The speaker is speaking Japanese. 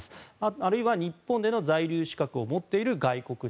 あるいは日本での在留資格を持っている外国人